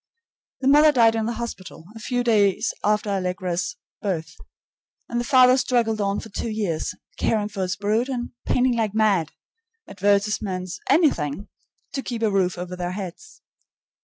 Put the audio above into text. The mother died in the hospital a few days after Allegra's birth, and the father struggled on for two years, caring for his brood and painting like mad advertisements, anything to keep a roof over their heads.